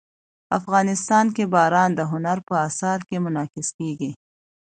افغانستان کې باران د هنر په اثار کې منعکس کېږي.